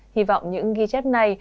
hy vọng những ghi chép này